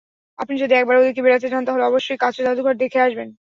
আপনি যদি একবার ওদিকে বেড়াতে যান, তাহলে অবশ্যই কাচের জাদুঘর দেখে আসবেন।